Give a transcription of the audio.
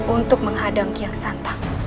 untuk menghadang kian santang